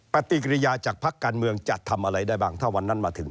ปฏิกิริยาจากพักการเมืองจะทำอะไรได้บ้างถ้าวันนั้นมาถึง